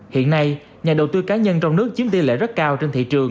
hiện nay nhà đầu tư cá nhân trong nước chiếm tỷ lệ rất cao trên thị trường